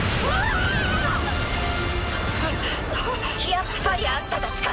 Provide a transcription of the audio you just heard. やっぱりあんたたちか。